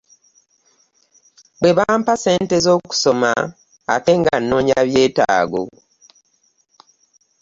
Bwe bampa ssente z'okusoma ate nga nnoonya byetaago.